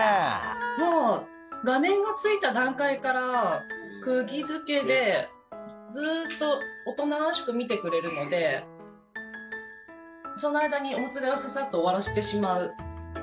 もう画面がついた段階からくぎづけでずっとおとなしく見てくれるのでその間にオムツ替えをササッと終わらしてしまう感じですね。